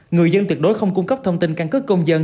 người dân tuyệt đối không cung cấp thông tin căn cứ công dân